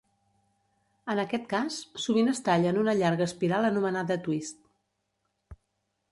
En aquest cas, sovint es talla en una llarga espiral anomenada twist.